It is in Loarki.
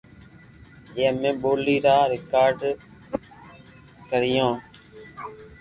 جي اما ري ٻولي رآڪارڌ آئيئي